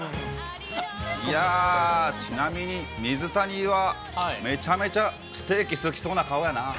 いやー、ちなみに、水谷はめちゃめちゃステーキ好きそうな顔やな。